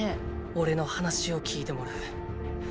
俺の話を聞いてもらうッ。